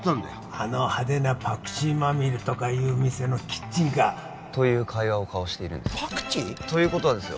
あの派手なパクチーマミレとかいう店のキッチンカーという会話を交わしているんですパクチー？ということはですよ